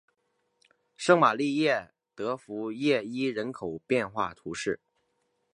圣瓦利耶德蒂耶伊人口变化图示